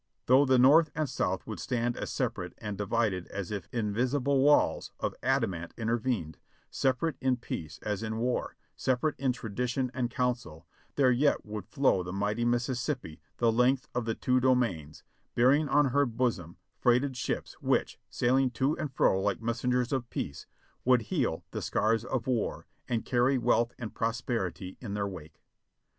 Though the North and South would stand as separate and divided as if invisible walls of adamant inter vened, separate in peace as in war, separate in tradition and council, there yet would flow the mighty Mississippi the length of the two domains, bearing on her bosom freighted ships which, sailing to and fro like messengers of peace, would heal the scars of war and carry wealth and prosperity in their wake.